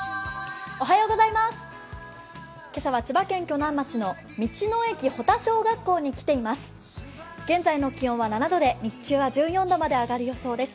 今朝は千葉県鋸南町の道の駅保田小学校に来ています。